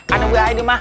ada gue aja nih mah